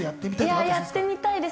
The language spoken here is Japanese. やってみたいです。